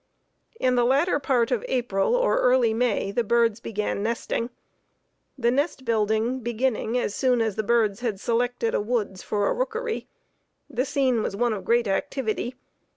... In the latter part of April or early May the birds began nesting. The nest building beginning as soon as the birds had selected a woods for a rookery, the scene was one of great activity.